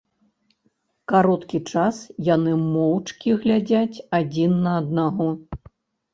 Кароткі час яны моўчкі глядзяць адзін на аднаго.